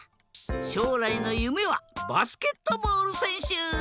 しょうらいのゆめはバスケットボールせんしゅ。